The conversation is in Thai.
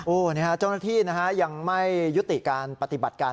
นี่ฮะเจ้าหน้าที่นะฮะยังไม่ยุติการปฏิบัติการ